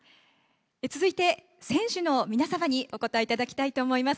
続いて、選手の皆様にお答えいただきたいと思います。